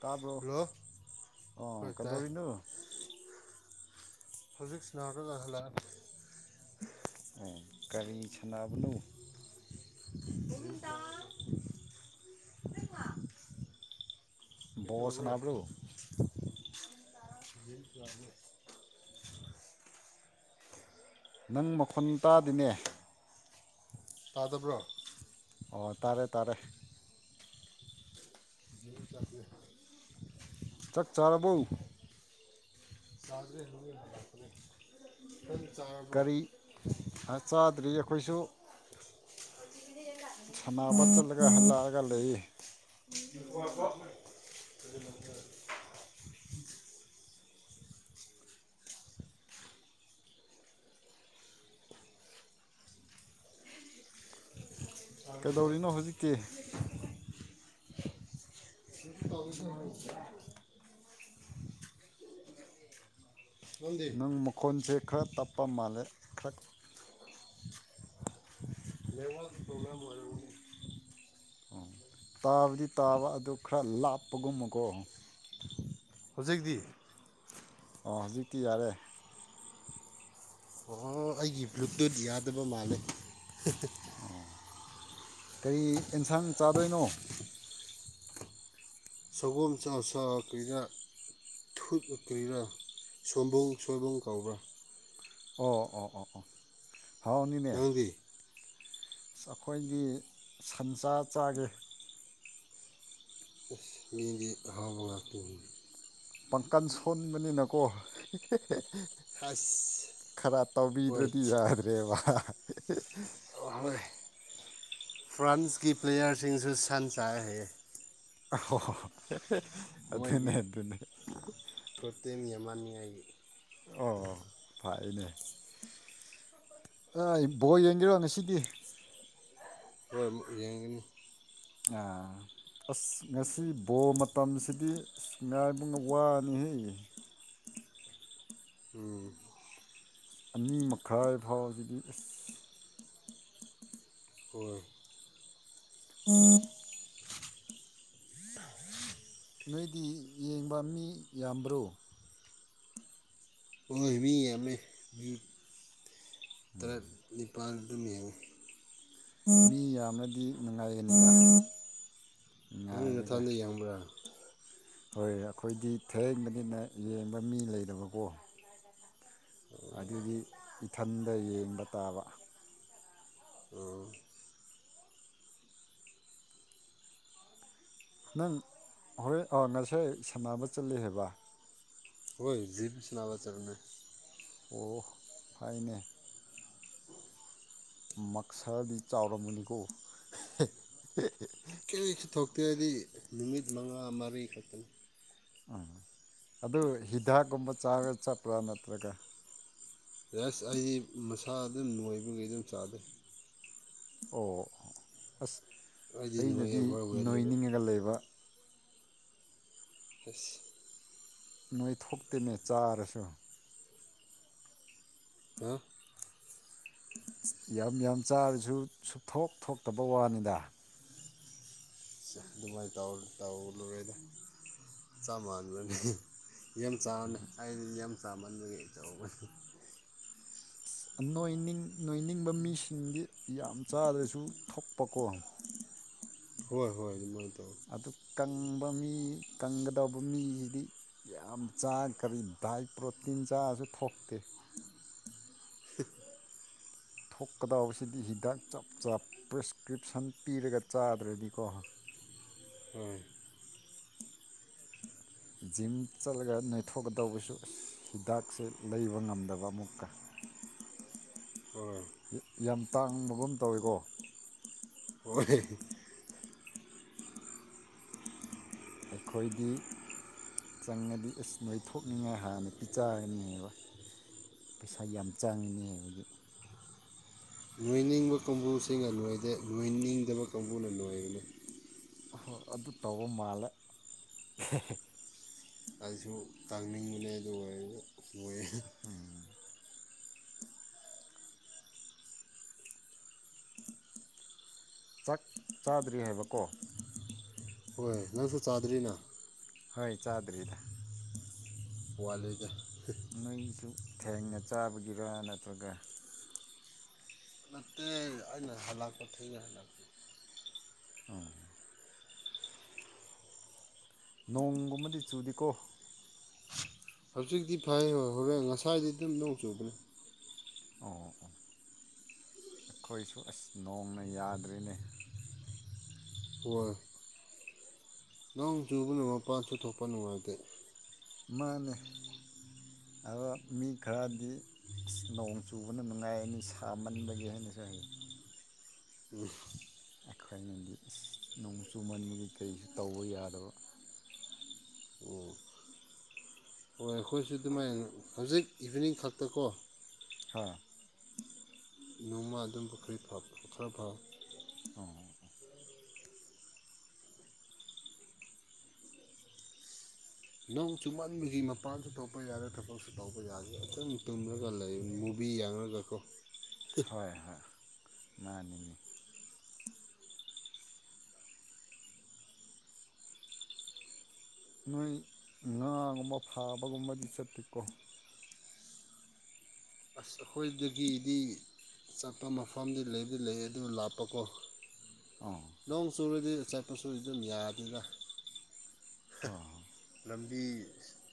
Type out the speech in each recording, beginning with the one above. ꯇꯥꯕ꯭ꯔꯣ ꯍꯜꯂꯣ ꯍꯣꯏ ꯑꯣ ꯇꯥꯏ ꯀꯩꯗꯧꯔꯤꯅꯨ ꯍꯧꯖꯤꯛ ꯁꯅꯥꯒ ꯍꯜꯂꯛꯑꯒꯦ ꯑꯣ ꯀꯔꯤ ꯁꯥꯟꯕꯅꯣ [unintelligible] ꯀꯩ ꯕꯣꯜ ꯇꯧꯕ꯭ꯔꯥ ꯁꯥꯟꯅꯕ꯭ꯔꯣ ꯅꯪ ꯃꯈꯣꯟ ꯇꯥꯗꯤꯅꯦ ꯇꯥꯗꯕ꯭ꯔꯥ ꯑꯣ ꯇꯥꯔꯦ ꯇꯥꯔꯦ ꯏꯔꯨꯖꯒꯦ ꯆꯥꯛ ꯆꯥꯔꯕꯣ ꯆꯥꯗ꯭ꯔꯤ ꯍꯧꯖꯤꯛ ꯍꯜꯂꯛꯄꯅꯦ ꯅꯪ ꯆꯥꯔꯕ꯭ꯔꯣ ꯀꯔꯤ ꯆꯥꯗ꯭ꯔꯤ ꯑꯩꯈꯣꯏꯁꯨ ꯁꯥꯟꯅꯕ ꯆꯠꯂꯒ ꯍꯜꯂꯛꯑꯒ ꯂꯩꯌꯦ [unintelligible] [inaudible] ꯆꯥꯔꯕ꯭ꯔꯣ ꯀꯩꯗꯧꯔꯤꯅꯣ ꯍꯧꯖꯤꯛꯇꯤ ꯀꯩꯁꯨ ꯇꯧꯗꯦꯗ ꯍꯧꯖꯤꯛꯇꯤ ꯅꯪꯗꯤ ꯅꯪ ꯃꯈꯣꯟꯁꯦ ꯈꯔ ꯇꯞꯄ ꯃꯥꯜꯂꯦ ꯈꯔ ꯅꯦꯠꯋꯥꯛ ꯄ꯭ꯔꯣꯕꯦꯝ ꯑꯣꯏꯔꯝꯒꯅꯤ ꯑꯣ ꯇꯥꯕꯗꯤ ꯇꯥꯕ ꯑꯗꯨ ꯈꯔ ꯂꯥꯞꯄꯒꯨꯝꯕꯀꯣ ꯍꯧꯖꯤꯛꯇꯤ ꯑꯣ ꯍꯧꯖꯤꯛꯇꯤ ꯌꯥꯔꯦ ꯑꯣ ꯑꯩꯒꯤ ꯕꯨꯔꯇꯨꯗ ꯌꯥꯗꯕ ꯃꯥꯜꯂꯦ ꯑꯣ ꯀꯔꯤ ꯑꯦꯟꯁꯥꯡ ꯆꯥꯗꯣꯏꯅꯣ ꯁꯥꯒꯣꯟ ꯁꯥ ꯁꯥ ꯀ꯭ꯔꯤꯔ ꯊꯨꯠ ꯀ꯭ꯔꯤꯔ ꯁꯣꯏꯕꯧ ꯁꯣꯏꯕꯧ ꯀꯧꯕ꯭ꯔꯥ ꯑꯣ ꯑꯣ ꯑꯣ ꯑꯣ ꯍꯥꯎꯅꯤꯅꯦ ꯅꯪꯗꯤ ꯑꯁ ꯑꯩꯈꯣꯏꯗꯤ ꯁꯟꯁꯥ ꯆꯥꯒꯦ ꯌꯦꯟꯗꯤ ꯑꯍꯥꯎꯕ ꯉꯥꯛꯇꯅꯤꯅꯦ ꯄꯥꯡꯀꯟ ꯁꯣꯟꯕꯅꯤꯅꯀꯣ ꯑꯁ ꯈꯔ ꯍꯣꯏ ꯇꯧꯕꯤꯗ꯭ꯔꯥꯗꯤ ꯌꯥꯗ꯭ꯔꯦꯕ ꯍꯣꯏ ꯐ꯭ꯔꯥꯟꯁꯀꯤ ꯄ꯭ꯂꯦꯌꯥꯔꯁꯤꯡꯁꯦ ꯁꯟ ꯆꯥꯏ ꯍꯩꯌꯦ ꯑꯍꯣꯏ ꯃꯣꯏꯒꯤ ꯇꯣꯇꯦꯜ ꯌꯦꯃꯅꯤꯡꯉꯥꯏꯒꯤ ꯑꯣ ꯐꯥꯏꯌꯦꯅꯦ ꯑꯥꯢ ꯕꯣꯜ ꯌꯦꯡꯒꯦꯔꯣ ꯉꯁꯤꯗꯤ ꯍꯣꯏ ꯑꯃꯨꯛ ꯌꯦꯡꯒꯅꯤ ꯑꯥ ꯑꯁ ꯉꯁꯤ ꯕꯣ ꯃꯇꯝꯁꯤꯗꯤ ꯑꯁ ꯉꯥꯏꯕꯅ ꯋꯥꯅꯤꯍꯦ ꯎꯝ ꯑꯁ ꯑꯅꯤ ꯃꯈꯥꯏ ꯐꯥꯎꯕꯁꯤꯗꯤ ꯑꯁ ꯍꯣꯏ꯫ [unintelligible] ꯅꯣꯏꯗꯤ ꯌꯦꯡꯕ ꯃꯤ ꯌꯥꯝꯕ꯭ꯔꯣ ꯍꯣꯏ ꯃꯤ ꯌꯥꯝꯃꯦ ꯎꯝ [unintelligible] ꯅꯤꯄꯥꯜ ꯑꯗꯨꯝ ꯌꯦꯡꯉꯤ ꯃꯤ ꯌꯥꯝꯃꯗꯤ ꯅꯨꯡꯉꯥꯏꯌꯅꯤꯗ ꯅꯪ ꯅꯊꯟꯗ ꯌꯦꯡꯕ꯭ꯔꯥ ꯍꯣꯏ ꯑꯩꯈꯣꯏꯗꯤ ꯊꯦꯡꯕꯅꯤꯅ ꯌꯦꯡꯕ ꯃꯤ ꯂꯩꯇꯕꯀꯣ ꯑꯗꯨꯗꯤ ꯏꯊꯟꯗ ꯌꯦꯡꯕ ꯇꯥꯕ ꯎꯝ ꯅꯪ ꯍꯣꯔꯦꯟ ꯑꯣ ꯉꯁꯥꯏ ꯁꯥꯟꯅꯕ ꯆꯠꯂꯦ ꯍꯥꯏꯕ ꯈꯣꯏ ꯖꯤꯝ ꯁꯥꯟꯅꯕ ꯆꯠꯂꯦ ꯑꯣ ꯐꯩꯅꯦ ꯃꯛꯁꯥꯗꯤ ꯆꯥꯎꯔꯝꯅꯤꯀꯣ ꯀꯔꯤꯁꯨ ꯊꯣꯛꯇꯦ ꯍꯥꯏꯗꯤ ꯅꯨꯃꯤꯠ ꯃꯉꯥ ꯃꯔꯤ ꯈꯛꯇꯅꯤ ꯑꯥ ꯑꯗꯨ ꯍꯤꯗꯥꯛꯀꯨꯝꯕꯥ ꯆꯥꯔ ꯆꯠꯄ꯭ꯔꯥ ꯅꯠꯇ꯭ꯔꯒ ꯌꯥꯁ ꯑꯩꯗꯤ ꯃꯁꯥ ꯑꯗꯨꯝ ꯅꯣꯏꯕꯒꯤ ꯑꯗꯨꯝ ꯆꯥꯗꯦ ꯑꯣ ꯑꯁ ꯑꯩꯗꯤ ꯅꯣꯏ ꯑꯩꯅꯗꯤ ꯑꯣꯚꯔ ꯋꯦꯠꯅꯦꯕ ꯅꯣꯏꯅꯤꯡꯉꯒ ꯂꯩꯕ [unintelligible] ꯅꯣꯏꯊꯣꯛꯇꯦꯅꯦ ꯆꯥꯔꯁꯨ ꯍꯥ ꯌꯥꯝ ꯌꯥꯝ ꯆꯥꯔꯁꯨ ꯁꯨꯛꯊꯣꯛ ꯊꯣꯛꯇꯕ ꯋꯥꯅꯤꯗ ꯑꯗꯨꯃꯥꯏꯅ ꯇꯧ ꯇꯧꯔꯔꯣꯏꯗ ꯆꯞ ꯃꯥꯟꯔꯅꯤ ꯌꯥꯝ ꯆꯥꯕꯅꯦ ꯑꯩꯗꯤ ꯌꯥꯝ ꯆꯥꯃꯟꯕꯒꯤ ꯇꯧꯕꯅꯤ ꯑꯁ ꯅꯣꯏꯅꯤꯡ ꯅꯣꯏꯅꯤꯡꯕ ꯃꯤꯁꯤꯡꯗꯤ ꯌꯥꯝ ꯆꯥꯗ꯭ꯔꯁꯨ ꯊꯣꯛꯄꯀꯣ ꯍꯣꯏ ꯍꯣꯏ ꯑꯗꯨꯃꯥꯏꯅ ꯇꯧꯋꯦ ꯑꯗꯨ ꯀꯪꯕ ꯃꯤ ꯀꯪꯒꯗꯕ ꯃꯤꯁꯤꯗꯤ ꯌꯥꯝ ꯆꯥ ꯀꯔꯤ ꯗꯥꯏꯠ ꯄ꯭ꯔꯣꯇꯤꯟ ꯆꯥꯔꯁꯨ ꯊꯣꯛꯇꯦ ꯊꯣꯛꯀꯗꯕꯁꯤꯗꯤ ꯍꯤꯗꯥꯛ ꯆꯞ ꯆꯞ ꯄ꯭ꯔꯦꯁꯀ꯭ꯔꯤꯞꯁꯟ ꯄꯤꯔꯒ ꯆꯥꯗ꯭ꯔꯗꯤꯀꯣ ꯎꯝ ꯖꯤꯝ ꯆꯠꯂꯒ ꯅꯣꯏꯊꯣꯛꯀꯗꯧꯕꯁꯨ ꯑꯁ ꯍꯤꯗꯥꯛꯁꯦ ꯂꯩꯕ ꯉꯝꯗꯕ ꯑꯃꯨꯛꯀꯥ ꯍꯣꯏ ꯌꯥꯝ ꯇꯥꯡꯕꯒꯨꯝ ꯇꯧꯋꯤꯀꯣ ꯍꯣꯏ ꯑꯩꯈꯣꯏꯗꯤ ꯆꯪꯉꯗꯤ ꯑꯁ ꯅꯣꯏꯊꯣꯛꯅꯤꯡꯉꯥꯏ ꯍꯥꯟꯅ ꯄꯤꯖꯒꯅꯤꯕ ꯄꯩꯁꯥ ꯌꯥꯝ ꯆꯪꯉꯅꯤ ꯍꯨꯗꯤꯛ ꯅꯤꯡꯕ ꯀꯥꯡꯕꯨꯁꯤꯡꯅ ꯅꯣꯏꯗꯦ ꯅꯣꯏꯅꯤꯡꯗꯕ ꯀꯥꯡꯕꯨꯅ ꯅꯣꯏꯕꯅꯤ ꯑꯣꯍꯣ ꯑꯗꯨ ꯇꯧꯕ ꯃꯥꯜꯂꯦ ꯑꯩꯁꯨ ꯇꯥꯡꯅꯤꯡꯕꯅꯦ ꯑꯗꯨ ꯑꯣꯏꯔꯖꯨ ꯎꯝ ꯆꯥꯛ ꯆꯥꯗ꯭ꯔꯤ ꯍꯥꯏꯕꯀꯣ ꯍꯣꯏ ꯅꯪꯁꯨ ꯆꯥꯗ꯭ꯔꯤꯅ ꯍꯣꯏ ꯆꯥꯗ꯭ꯔꯤꯗꯥ [inaudible] ꯋꯥꯠꯂꯤꯗ ꯅꯣꯏꯁꯨ ꯊꯦꯡꯅ ꯆꯥꯕꯒꯤꯔꯥ ꯅꯠꯇ꯭ꯔꯥꯒ ꯅꯠꯇꯦ ꯑꯩꯅ ꯍꯜꯂꯛꯄꯥ ꯊꯦꯡꯉꯦ ꯍꯜꯂꯛ ꯑꯧ ꯅꯣꯡꯒꯨꯝꯕꯗꯤ ꯆꯨꯗꯦꯀꯣ ꯍꯧꯖꯤꯛꯇꯤ ꯐꯩ ꯍꯣꯔꯦꯟ ꯉꯁꯥꯏꯗꯤ ꯑꯗꯨꯝ ꯅꯣꯡ ꯆꯨꯕꯅꯦ ꯑꯣ ꯑꯣ ꯑꯣ ꯑꯈꯣꯏꯁꯨ ꯑꯁ ꯅꯣꯡꯅ ꯌꯥꯗ꯭ꯔꯦꯅꯦ ꯍꯣꯏ ꯅꯣꯡ ꯆꯨꯕꯅ ꯃꯄꯥꯟꯁꯨ ꯊꯣꯛꯄ ꯅꯨꯡꯉꯥꯏꯇꯦ ꯃꯥꯅꯦ ꯑꯋꯣ ꯃꯤ ꯈꯔꯗꯤ ꯑꯁ ꯅꯣꯡ ꯆꯨꯕꯅ ꯅꯨꯡꯉꯥꯏꯑꯅꯤ ꯁꯥꯃꯟꯕꯒꯤ ꯍꯥꯏꯅꯁꯨ ꯍꯥꯏꯌꯦ ꯎꯝ ꯈꯣꯏꯅꯗꯤ ꯏꯁ ꯅꯣꯡ ꯆꯨꯃꯟꯕꯒꯤ ꯀꯔꯤꯁꯨ ꯇꯧꯕ ꯌꯥꯗꯕ ꯎꯝ ꯍꯣꯏ ꯑꯩꯈꯣꯏꯁꯨ ꯑꯗꯨꯃꯥꯏꯅ ꯍꯧꯖꯤꯛ ꯏꯚꯤꯅꯤꯡ ꯈꯛꯇꯥꯀꯣ ꯍꯥꯥ ꯅꯣꯡꯃ ꯑꯗꯨꯝꯕ ꯈꯔꯤ ꯐꯥ ꯈꯔ ꯐꯥ ꯑꯣ ꯑꯣ ꯑꯣ ꯅꯣꯡ ꯆꯨꯝꯃꯟꯕꯒꯤ ꯃꯄꯥꯟꯁꯨ ꯊꯣꯛꯄ ꯌꯥꯔꯦ ꯊꯕꯛꯁꯨ ꯇꯧꯕ ꯌꯥꯔꯦ ꯑꯗꯨꯝ ꯇꯨꯝꯂꯒ ꯂꯩ ꯃꯨꯞ ꯕꯤ ꯌꯥꯡꯔꯒꯀꯣ ꯍꯣꯏ ꯍꯣꯏ ꯃꯥꯅꯤꯅꯦ ꯅꯣꯏ ꯉꯥꯒꯨꯝꯕ ꯐꯥꯕꯒꯨꯝꯕꯗꯤ ꯆꯠꯇꯦꯀꯣ ꯑꯁ ꯑꯩꯈꯣꯏꯗꯒꯤꯗꯤ ꯆꯠꯄ ꯃꯐꯝꯗꯤ ꯂꯩꯕꯨꯗꯤ ꯂꯩ ꯑꯗꯨ ꯂꯥꯞꯄꯀꯣ ꯑꯣ ꯅꯣꯡ ꯆꯨꯔꯗꯤ ꯆꯥꯞꯄꯁꯨ ꯑꯗꯨꯝ ꯌꯥꯗꯦꯗ ꯍꯥ ꯍꯣꯏ ꯍꯣꯏ ꯂꯝ ꯕꯤ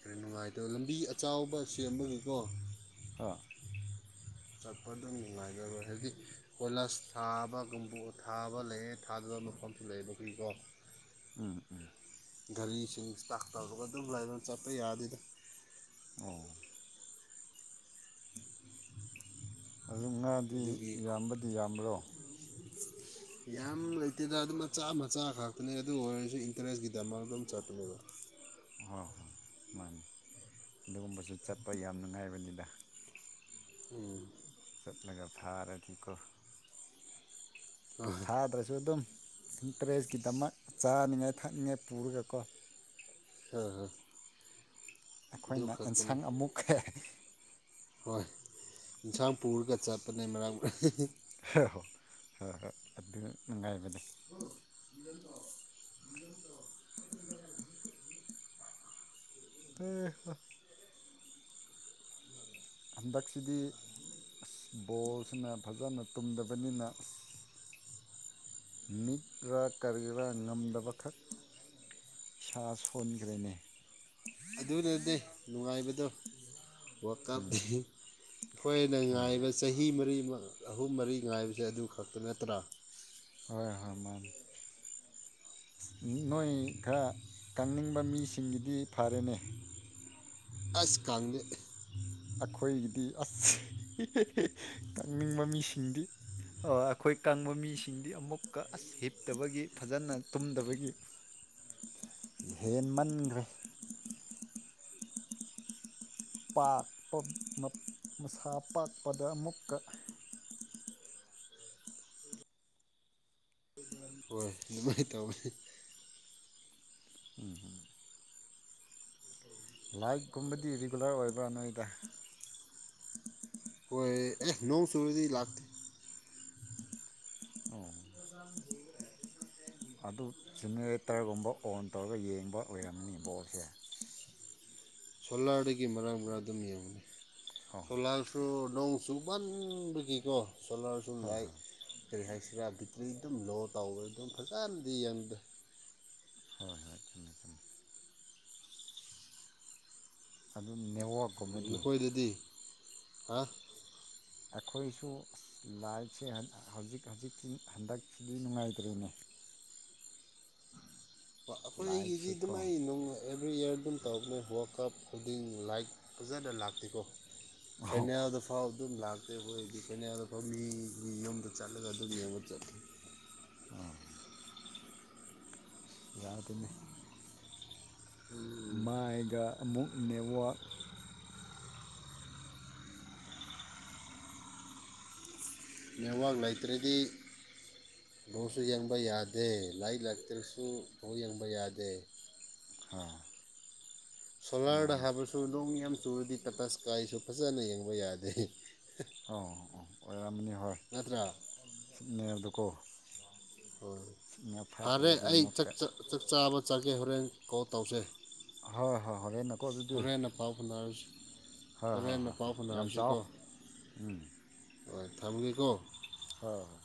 ꯈꯔ ꯅꯨꯡꯉꯥꯏꯇꯥ ꯂꯝꯕꯤ ꯑꯆꯥꯎꯕ ꯁꯦꯝꯕꯒꯤꯀꯣ ꯍꯥ ꯆꯠꯄꯗꯨꯝ ꯅꯨꯡꯉꯥꯏꯔꯔꯣꯏ ꯍꯥꯏꯕꯗꯤ ꯀꯣꯏꯂꯥꯁ ꯊꯥꯕꯒꯨꯝꯕꯨ ꯊꯥꯕ ꯂꯩꯌꯦ ꯊꯥꯗꯕ ꯃꯐꯝꯁꯨ ꯂꯩꯕꯒꯤꯀꯣ ꯎꯝ ꯎꯝ ꯒꯥꯔꯤꯁꯤꯡ ꯁ꯭ꯇꯥꯛ ꯇꯧꯔꯒ ꯑꯗꯨꯝ ꯂꯩꯔ ꯆꯠꯄ ꯌꯥꯗꯦꯗ ꯑꯣ ꯑꯗꯨ ꯉꯥꯗꯤ ꯑꯗꯨꯒꯤ ꯌꯥꯝꯕꯗꯤ ꯌꯥꯝꯕ꯭ꯔꯣ ꯌꯥꯝ ꯂꯩꯇꯦꯗ ꯑꯗꯨꯝ ꯃꯆꯥ ꯃꯆꯥ ꯈꯛꯇꯅꯦ ꯑꯗꯨ ꯑꯣꯏꯔꯁꯨ ꯏꯟꯇꯔꯦꯁꯀꯤꯗꯃꯛꯇꯥ ꯑꯗꯨꯝ ꯆꯠꯄꯅꯦꯕ ꯍꯣꯏ ꯍꯣꯏ ꯃꯥꯅꯦ ꯑꯗꯨꯒꯨꯝꯕꯁꯨ ꯆꯠꯄ ꯌꯥꯝ ꯅꯨꯡꯉꯥꯏꯕꯅꯤꯗ ꯎꯝ ꯆꯠꯂꯒ ꯐꯥꯔꯗꯤꯀꯣ ꯑꯥ ꯑꯗꯨꯁꯨ ꯑꯗꯨꯝ ꯏꯟꯇꯔꯦꯁꯀꯤꯗꯃꯛ ꯆꯥꯅꯤꯡꯉꯥꯏ ꯊꯛꯅꯤꯡꯉꯥꯏ ꯄꯨꯔꯒꯀꯣ ꯍꯨ ꯍꯨ ꯑꯩꯈꯣꯏꯅ ꯑꯦꯟꯁꯥꯡ ꯑꯃꯨꯛ ꯌꯦꯟꯁꯥꯡ ꯄꯨꯔꯒ ꯆꯠꯄꯅꯦ ꯃꯔꯛ ꯃꯔꯛ ꯍꯣ ꯍꯣꯏ ꯍꯣꯏ ꯑꯗꯨ ꯅꯨꯡꯉꯥꯏꯕꯅꯦ ꯑꯦ ꯍꯥ ꯍꯟꯗꯛꯁꯤꯗꯤ ꯑꯁ ꯕꯣꯜꯁꯤꯅ ꯐꯥꯖꯅ ꯇꯨꯝꯗꯕꯅꯤꯅ ꯑꯁ ꯃꯤꯠ ꯔꯥ ꯀꯔꯤꯔꯥ ꯉꯝꯗꯕꯈꯛ ꯏꯁꯥ ꯁꯣꯟꯒ꯭ꯔꯦꯅꯦ ꯑꯗꯨꯅꯗꯤ ꯅꯨꯡꯉꯥꯏꯕꯗꯣ ꯋꯥꯔꯀꯞ ꯎꯝ ꯑꯩꯈꯣꯏꯅ ꯍꯣꯏ ꯉꯥꯏꯕ ꯆꯍꯤ ꯃꯔꯤ ꯑꯍꯨꯝ ꯃꯔꯤ ꯉꯥꯏꯕꯁꯦ ꯑꯗꯨ ꯈꯛꯇ ꯅꯠꯇ꯭ꯔꯥ ꯍꯣꯏ ꯍꯣꯏ ꯃꯥꯥꯟꯅꯤ ꯅꯣꯏ ꯈꯔ ꯀꯪꯅꯤꯡꯕ ꯃꯤꯁꯤꯡꯒꯤꯗꯤ ꯐꯔꯦꯅꯦ ꯑꯁ ꯀꯪꯗꯦ ꯑꯩꯈꯣꯏꯒꯤꯗꯤ ꯑꯁ ꯀꯪꯅꯤꯡꯕ ꯃꯤꯁꯤꯡꯗꯤ ꯑꯩꯈꯣꯏ ꯀꯪꯕ ꯃꯤꯁꯤꯡꯗꯤ ꯑꯃꯨꯛꯀ ꯑꯁ ꯍꯤꯞꯇꯕꯒꯤ ꯐꯥꯖꯅ ꯇꯨꯝꯗꯕꯒꯤ ꯍꯦꯟ ꯃꯟꯒ꯭ꯔꯦ ꯄꯥ ꯄꯥꯛꯄ ꯃꯁꯥ ꯄꯥꯛꯄꯗ ꯑꯃꯨꯛꯀ ꯍꯣꯏ ꯑꯗꯨꯃꯥꯏꯅ ꯇꯧꯋꯦ ꯎꯝ ꯍꯝ ꯂꯥꯏꯚꯀꯨꯝꯕꯗꯤ ꯔꯤꯒꯨꯂꯔ ꯑꯣꯏꯕ꯭ꯔꯥ ꯅꯣꯏꯗ ꯑꯣꯏ ꯑꯦ ꯅꯣꯡꯖꯨꯔꯗꯤ ꯂꯥꯛꯇ ꯑꯣ ꯑꯗꯨ ꯖꯦꯅꯦꯔꯦꯇꯔꯒꯨꯝꯕ ꯑꯣꯟ ꯇꯧꯔꯒ ꯌꯦꯡꯕ ꯑꯣꯏꯔꯝꯃꯅꯤ ꯕꯣꯜꯁꯦ ꯁꯣꯂꯥꯔꯗꯒꯤ ꯃꯔꯥꯡ ꯃꯔꯥꯡ ꯑꯗꯨꯝ ꯌꯦꯡꯕꯅꯦ ꯑꯧ ꯁꯣꯂꯥꯔꯁꯨ ꯑꯗꯨꯝ ꯆꯨꯃꯟꯕꯒꯤꯀꯣ ꯁꯣꯂꯥꯔꯁꯄ ꯍꯣꯏ ꯂꯥꯏꯠ ꯍꯣꯏ ꯀꯔꯤ ꯍꯥꯏꯁꯤꯔꯥ ꯕꯦꯇ꯭ꯔꯤ ꯑꯗꯨꯝ ꯂꯣ ꯇꯧꯕ ꯑꯗꯨꯝ ꯐꯥꯖꯅꯗꯤ ꯌꯦꯡꯗ ꯍꯣꯏ ꯍꯣꯏ ꯆꯨꯝꯃꯦ ꯆꯨꯝꯃꯦ ꯑꯗꯨ ꯅꯦꯠꯋꯥꯔꯛ ꯅꯈꯣꯏꯗꯗꯤ ꯍꯥ ꯑꯩꯈꯣꯏꯁꯨ ꯑꯁ ꯂꯥꯏꯇꯁꯦ ꯍꯧꯖꯤꯛ ꯍꯧꯖꯤꯛꯇꯤ ꯍꯟꯗꯛꯁꯤꯗꯤ ꯅꯨꯡꯉꯥꯏꯇ꯭ꯔꯦꯅꯦ ꯑꯩꯈꯣꯏꯒꯤꯗꯤ ꯂꯥꯏꯠꯁꯦꯀꯣ ꯑꯗꯨꯃꯥꯏ ꯅꯨꯡꯉꯥꯏ ꯑꯦꯕ꯭ꯔꯤ ꯏꯌꯥꯔ ꯑꯗꯨꯝ ꯇꯧꯕꯅꯦ ꯋꯥꯜ ꯀꯞ ꯈꯨꯗꯤꯡ ꯂꯥꯏꯇ ꯐꯥꯖꯅ ꯂꯥꯛꯇꯦꯀꯣ ꯑꯣ ꯐꯥꯏꯅꯦꯜꯗꯐꯥꯎ ꯑꯗꯨꯝ ꯂꯥꯛ ꯑꯩꯈꯣꯏꯗꯤ ꯐꯥꯏꯅꯦꯜ ꯐꯥꯎ ꯃꯤ ꯃꯤ ꯌꯨꯝꯗ ꯆꯠꯂꯒ ꯑꯗꯨꯝ ꯌꯦꯡꯕ ꯆꯠꯂꯦ ꯑꯣ ꯌꯥꯗꯦꯅꯦ ꯃꯥꯏꯒ ꯑꯃꯨꯛ ꯅꯦꯠꯋꯥꯛ ꯅꯦꯠꯋꯥꯛ ꯂꯩꯇ꯭ꯔꯥꯗꯤ ꯕꯣꯜꯁꯨ ꯌꯦꯡꯕ ꯌꯥꯗꯦ ꯂꯥꯏꯇ ꯂꯛꯇ꯭ꯔꯥꯁꯨ ꯕꯣꯜ ꯌꯦꯡꯕ ꯌꯥꯗꯦ ꯍꯥ ꯁꯣꯂꯥꯔꯗ ꯃꯥꯅꯤ ꯍꯥꯏꯕꯁꯨ ꯅꯣꯡ ꯌꯥꯝ ꯆꯨꯔꯗꯤ ꯇꯥꯇꯥ ꯁ꯭ꯀꯥꯏꯁꯨ ꯐꯖꯅ ꯌꯦꯡꯕ ꯌꯥꯗꯦ ꯑꯧ ꯍꯣ ꯑꯣ ꯑꯣꯏꯔꯝꯅꯤ ꯍꯣꯏ ꯅꯠꯇ꯭ꯔꯥ ꯁꯤꯛꯅꯦꯜꯗꯨ ꯀꯣ ꯍꯣꯏ ꯐꯔꯦ ꯐꯠꯇ꯭ꯔꯗꯤ ꯑꯩ ꯆꯥꯛ ꯑꯃꯨꯛꯀ ꯆꯥ ꯆꯥꯛ ꯆꯥꯕ ꯆꯠꯀꯦ ꯍꯣꯔꯦꯟ ꯀꯣꯜ ꯇꯧꯁꯦ ꯍꯣꯏ ꯍꯣꯏ ꯍꯣꯔꯦꯟ ꯅꯀꯣ ꯑꯗꯨꯗꯤ ꯍꯣꯔꯦꯟꯅ ꯄꯥꯎ ꯐꯥꯎꯅꯔꯁꯤ ꯍꯣꯏ ꯍꯣꯏ ꯍꯣꯔꯦꯟꯅ ꯍꯣꯏ ꯄꯥꯎ ꯍꯣꯏ ꯌꯥꯝ ꯆꯥꯎ ꯐꯥꯎꯅꯔꯁꯤꯀꯣ ꯎꯝ ꯍꯣꯏ ꯊꯝꯒꯦꯀꯣ ꯍꯣꯏ ꯍꯣꯏ